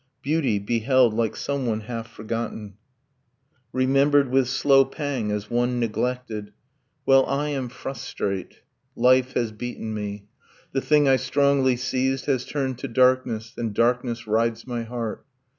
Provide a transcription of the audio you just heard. Beauty; beheld like someone half forgotten, Remembered, with slow pang, as one neglected ... Well, I am frustrate; life has beaten me, The thing I strongly seized has turned to darkness, And darkness rides my heart.